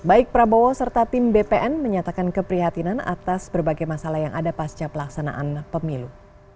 baik prabowo serta tim bpn menyatakan keprihatinan atas berbagai masalah yang ada pasca pelaksanaan pemilu